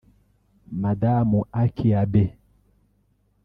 Madamu Akie Abe